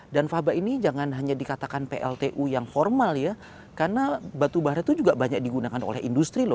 dan faba ini jangan hanya dikatakan pltu yang formal ya karena batu bara itu juga banyak digunakan oleh industri loh